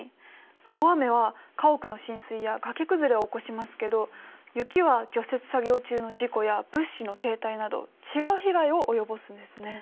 大雨は家屋の浸水や崖崩れを起こしますけど雪は除雪作業中の事故や物資の停滞など違う被害を及ぼすんですね。